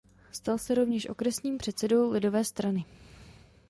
Stal se rovněž okresním předsedou lidové strany.